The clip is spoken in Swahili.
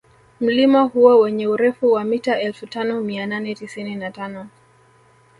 Mlima huo wenye urefu wa mita elfu tano mia nane tisini na tano